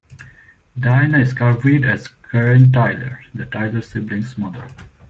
Diana Scarwid as Karen Tyler - the Tyler siblings' mother.